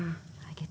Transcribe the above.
はい。